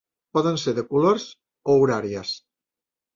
Poden ser de colors o horàries.